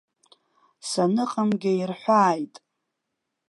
Саныҟамгьы ирҳәааит.